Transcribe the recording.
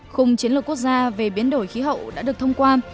khung chiến lược quốc gia về biến đổi khí hậu đã được thông qua